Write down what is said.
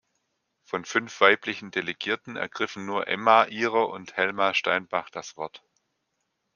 Von fünf weiblichen Delegierten ergriffen nur Emma Ihrer und Helma Steinbach das Wort.